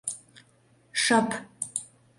— Шып!..